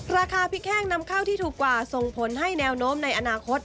ราคาพริกแห้งนำเข้าที่ถูกกว่าส่งผลให้แนวโน้มในอนาคต